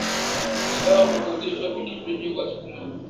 Nataka kukodishwa pikipiki kwa siku moja.